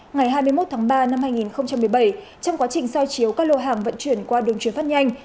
ngày hai mươi một tháng ba năm hai nghìn một mươi bảy trong quá trình soi chiếu các lô hàng vận chuyển qua đường chuyển phát nhanh